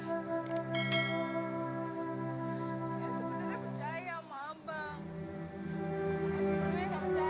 saya sebenarnya gak percaya kalau abang lakukan ini semua ya bang